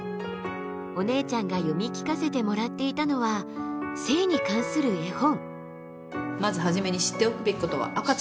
お姉ちゃんが読み聞かせてもらっていたのは性に関する絵本。